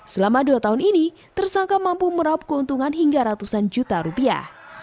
selama dua tahun ini tersangka mampu meraup keuntungan hingga ratusan juta rupiah